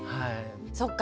そっか。